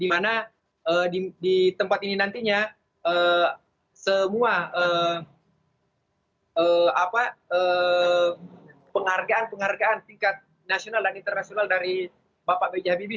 di mana di tempat ini nantinya semua penghargaan penghargaan tingkat nasional dan internasional dari bapak b j habibie